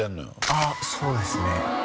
あっそうですね